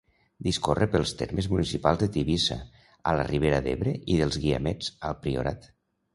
Discorre pels termes municipals de Tivissa, a la Ribera d'Ebre, i dels Guiamets, al Priorat.